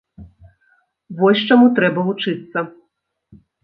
Вось чаму трэба вучыцца!